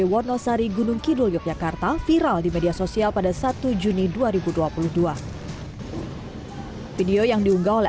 wonosari gunung kidul yogyakarta viral di media sosial pada satu juni dua ribu dua puluh dua video yang diunggah oleh